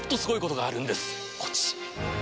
こっち。